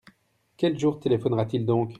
Quel jour téléphonera-t-il donc ?